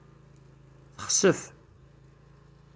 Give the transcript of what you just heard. Texsef.